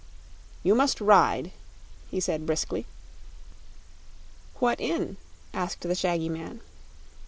"You must ride," he said, briskly. "What in?" asked the shaggy man.